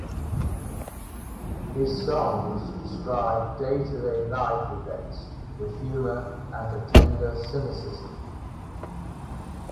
His songs describe day-to-day life events with humour and a tender cynicism.